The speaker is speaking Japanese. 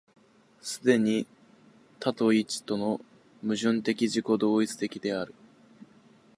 既に多と一との矛盾的自己同一的である。